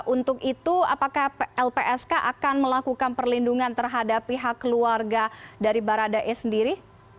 untuk itu apakah lpsk akan melakukan perlindungan terhadap pihak keluarga dari baradae sendiri